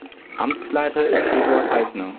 Amtsleiter ist Eduard Eisner.